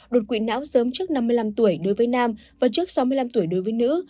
đột quỵ não sớm trước năm mươi năm tuổi đối với nam và trước sáu mươi năm tuổi đối với nữ